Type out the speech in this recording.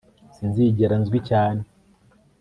Sinzigera nzwi cyane